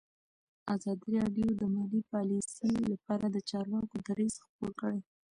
ازادي راډیو د مالي پالیسي لپاره د چارواکو دریځ خپور کړی.